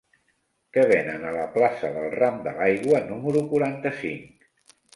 Què venen a la plaça del Ram de l'Aigua número quaranta-cinc?